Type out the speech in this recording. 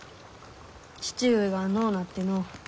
父上が亡うなっての。